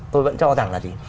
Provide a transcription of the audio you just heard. tôi vẫn cho rằng là gì